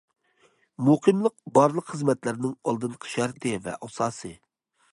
مۇقىملىق بارلىق خىزمەتلەرنىڭ ئالدىنقى شەرتى ۋە ئاساسى.